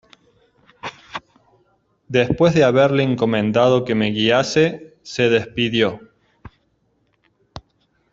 después de haberle encomendado que me guiase, se despidió.